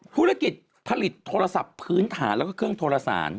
ธุรกิจผลิตโทรศัพท์พื้นฐานแล้วก็เครื่องโทรสาร